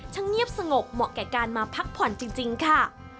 เงียบสงบเหมาะแก่การมาพักผ่อนจริงค่ะ